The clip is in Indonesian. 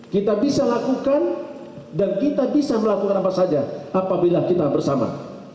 kita bisa lakukan dan kita bisa melakukan apa saja apabila kita bersama